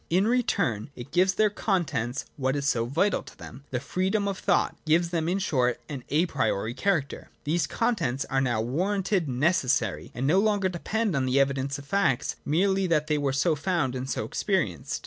In return it gives their contents what is so vital to them, the freedom of thought,— gives them, in short, an a priori character. These contents are now warranted necessary, and no longer depend on the evidence of facts merely, that they were so found and so experienced.